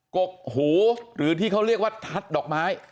กกหูหรือที่เขาเรียกว่าทัดดอกไม้